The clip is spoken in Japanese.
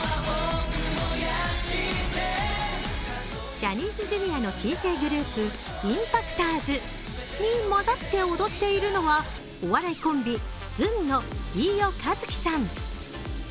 ジャニーズＪｒ．の新生グループＩＭＰＡＣＴｏｒｓに混ざって踊っているのがお笑いコンビ・ずんの飯尾和樹さん